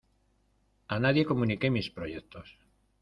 A nadie comuniqué mis proyectos.